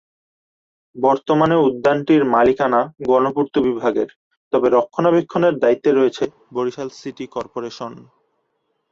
বর্তমানে উদ্যানটির মালিকানা গণপূর্ত বিভাগের, তবে রক্ষণাবেক্ষণের দায়িত্বে রয়েছে বরিশাল সিটি কর্পোরেশন।